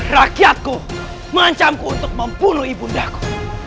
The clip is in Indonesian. rakyatku mengancamku untuk membunuh ibundaku